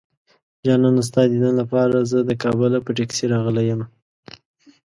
جانانه ستا ديدن لپاره زه د کابله په ټکسي راغلی يمه